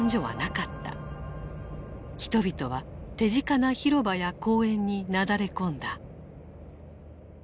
人々は手近な広場や公園になだれ込んだ。